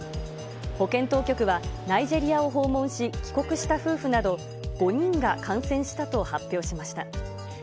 保健当局は、ナイジェリアを訪問し、帰国した夫婦など５人が感染したと発表しました。